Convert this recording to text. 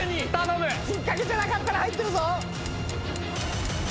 引っ掛けじゃなかったら入ってるぞ。